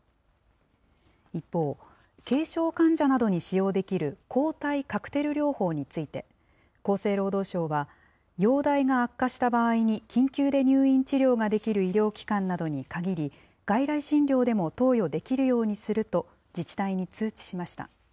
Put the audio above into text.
一方、軽症患者などに使用できる抗体カクテル療法について、厚生労働省は容体が悪化した場合に緊急で入院治療ができる医療機関などに限り、外来診療でも投与できるようにすると、自治体に通知しました。